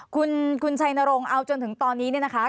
คุณชัยนรงค์เอาจนถึงตอนนี้เนี่ยนะคะ